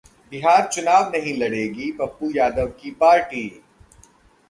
बिहार चुनाव नहीं लड़ेगी पप्पू यादव की पार्टी!